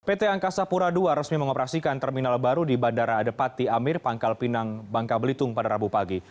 pt angkasa pura ii resmi mengoperasikan terminal baru di bandara depati amir pangkal pinang bangka belitung pada rabu pagi